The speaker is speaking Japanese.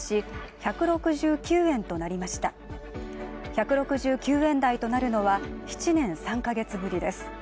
１６９円台となるのは７年３ヶ月ぶりです。